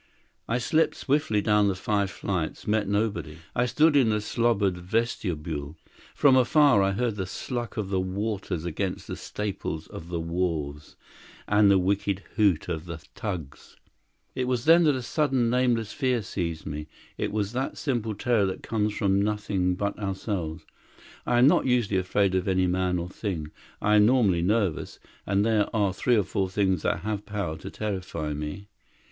I slipped swiftly down the five flights, met nobody. I stood in the slobbered vestibule. From afar I heard the sluck of the waters against the staples of the wharves, and the wicked hoot of the tugs. It was then that a sudden nameless fear seized me; it was that simple terror that comes from nothing but ourselves. I am not usually afraid of any man or thing. I am normally nervous, and there are three or four things that have power to terrify me.